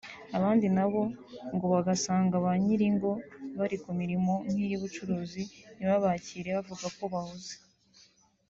abandi na ho ngo bagasanga ba nyir’ingo bari ku mirimo nk’iy’ubucuruzi ntibabakire bavuga ko bahuze